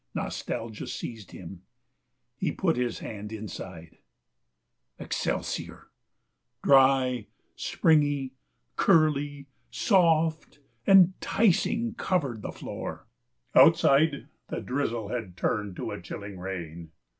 Nostalgia seized him. He put his hand inside. Excelsior dry, springy, curly, soft, enticing, covered the floor. Outside the drizzle had turned to a chilling rain.